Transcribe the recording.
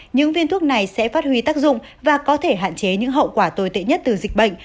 những viên thuốc này sẽ phát huy tác dụng và có thể hạn chế những hậu quả tồi tệ nhất từ dịch bệnh